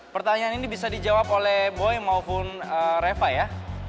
pertanyaan ini bisa dijawab oleh boy maupun reva ya